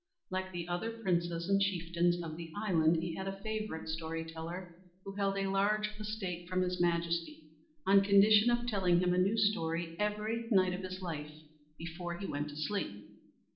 Like the other princes and chieftains of the island, he had a favourite story teller, who held a large estate from his Majesty, on condition of telling him a new story every night of his life, before he went to sleep.